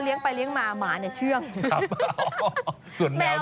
ก็ไม่ประมาณแปลกหน้าหรือหรอกก็ไม่ประมาณ